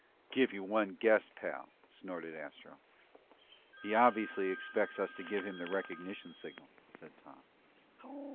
"Give you one guess, pal," snorted Astro. "He obviously expects us to give him the recognition signal," said Tom.